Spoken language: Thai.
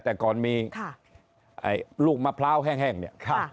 แต่ก่อนมีลูกมะพร้าวแห้งเนี่ย